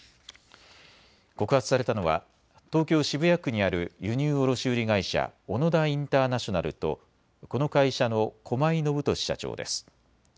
告発されたのは東京渋谷区にある輸入卸売会社、オノダインターナショナルとこの会社の駒井伸俊社長です。